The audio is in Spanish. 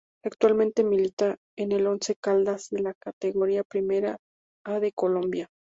Actualmente milita en el Once Caldas de la Categoría Primera A de Colombia.